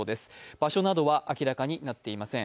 場所などは明らかになっていません。